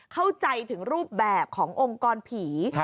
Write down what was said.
เข้าใจถึงรูปแบบขององค์กรผี